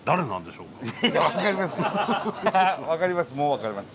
分かります